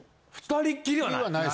２人きりはない。